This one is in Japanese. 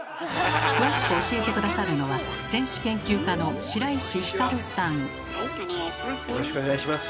詳しく教えて下さるのはよろしくお願いします。